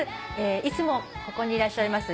いつもここにいらっしゃいます